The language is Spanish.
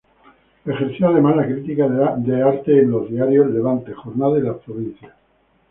Ejerció además la crítica del arte en los diarios "Levante", "Jornada" y "Las Provincias".